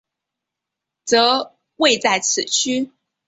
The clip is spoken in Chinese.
则位在此区。